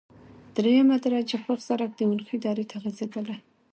دریمه درجه پوخ سرک د اونخې درې ته غزیدلی،